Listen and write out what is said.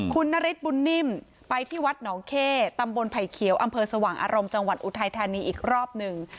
คุณนฤทธิบุญนิ่มไปที่วัดหนองเข้ตำบลไผ่เขียวอำเภอสว่างอารมณ์จังหวัดอุทัยธานีอีกรอบหนึ่ง